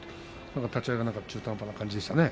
立ち合いが何か中途半端な感じでしたね。